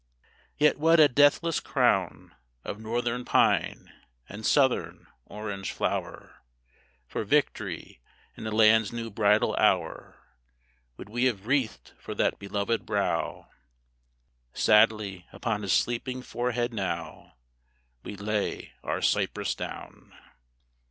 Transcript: Yet what a deathless crown Of Northern pine and Southern orange flower, For victory, and the land's new bridal hour, Would we have wreathed for that beloved brow! Sadly upon his sleeping forehead now We lay our cypress down.